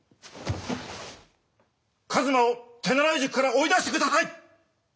一馬を手習い塾から追い出してください！